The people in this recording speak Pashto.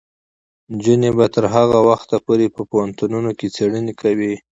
نجونې به تر هغه وخته پورې په پوهنتونونو کې څیړنې کوي.